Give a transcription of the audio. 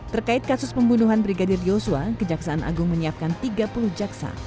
terkait kasus pembunuhan brigadir yosua kejaksaan agung menyiapkan tiga puluh jaksa